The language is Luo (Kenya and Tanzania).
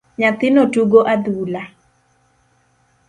Nyathino tugo adhula